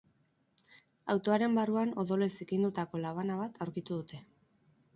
Autoaren barruan odolez zikindutako labana bat aurkitu dute.